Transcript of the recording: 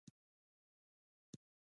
پښتونولي به تل ژوندي وي.